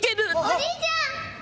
おじいちゃん！